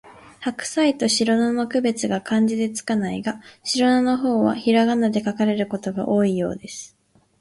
ハクサイとシロナの区別が漢字で付かないが、シロナの方はひらがなで書かれることが多いようです